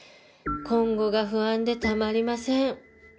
今後が不安でたまりません